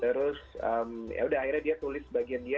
terus yaudah akhirnya dia tulis bagiannya